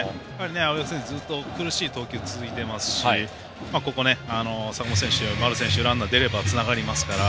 青柳選手、ずっと苦しい投球が続いていますし坂本選手や丸選手がランナー出ればつながりますから。